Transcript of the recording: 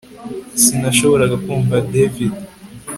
Sinashoboraga kumva David